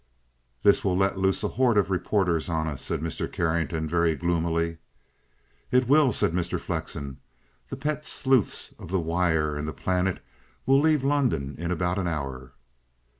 "This will let loose a horde of reporters on us," said Mr. Carrington very gloomily. "It will," said Mr. Flexen. "The pet sleuths of the Wire and the Planet will leave London in about an hour."